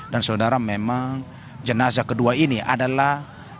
dan saudara memang jenazah kedua ini adalah